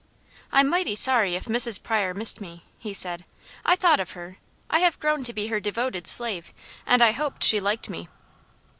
"I'm mighty sorry if Mrs. Pryor missed me," he said. "I thought of her. I have grown to be her devoted slave, and I hoped she liked me."